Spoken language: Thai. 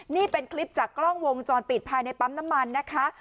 นี่เป็นคลิปจากกล้องวงจรปิดภายในปั๊มน้ำมันนะคะ